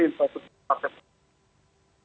itu memang institusi institusi partai politik